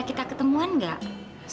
z ini yo nemenin aku yang inginkan